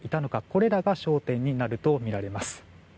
これらが焦点になるとみられます。